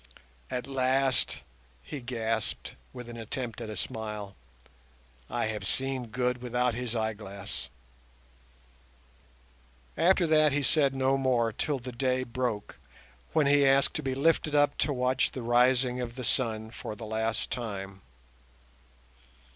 "At last," he gasped, with an attempt at a smile, "I have seen Good without his eyeglass." After that he said no more till the day broke, when he asked to be lifted up to watch the rising of the sun for the last time.